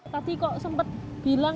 tadi kok sempat bilang